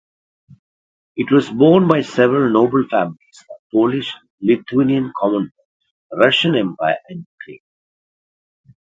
It was borne by several noble families of Polish-Lithuanian Commonwealth, Russian Empire and Ukraine.